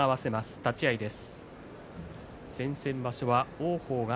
立ち合いです。